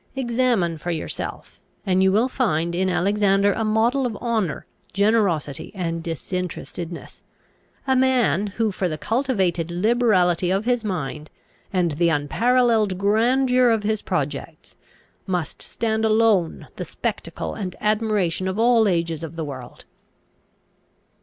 Examine for yourself, and you will find in Alexander a model of honour, generosity, and disinterestedness, a man who, for the cultivated liberality of his mind, and the unparalleled grandeur of his projects, must stand alone the spectacle and admiration of all ages of the world."